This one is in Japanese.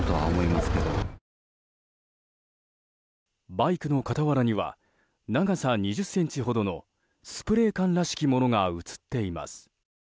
バイクの傍らには長さ２０ｃｍほどのスプレー缶らしきものが映っています。